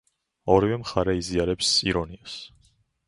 ორივე მხარე იზიარებს ირონიას.